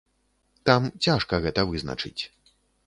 Там цяжка гэта вызначыць.